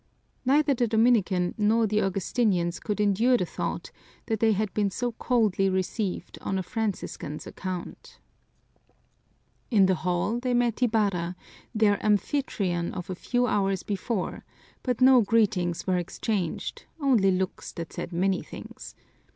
Neither the Dominican nor the Augustinians could endure the thought that they had been so coldly received on a Franciscan's account. In the hall they met Ibarra, their amphitryon of a few hours before, but no greetings were exchanged, only looks that said many things.